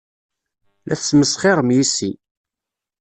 La tesmesxirem yes-i.